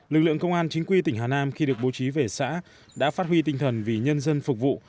lực lượng công an chính quy tỉnh hà nam khi được bố trí về xã đã phát huy tinh thần vì nhân dân phục vụ